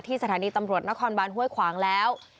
สถานีตำรวจนครบานห้วยขวางแล้ว